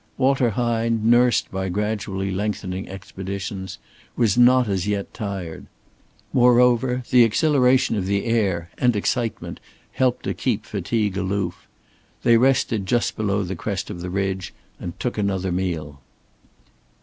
Walter Hine, nursed by gradually lengthening expeditions, was not as yet tired. Moreover the exhilaration of the air, and excitement, helped to keep fatigue aloof. They rested just below the crest of the ridge and took another meal.